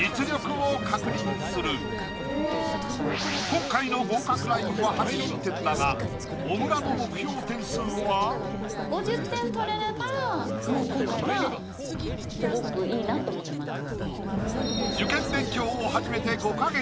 今回の合格ラインは８０点だが小倉の目標点数は５０点取れればもう今回はスゴくいいなと思ってます